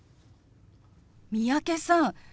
三宅さん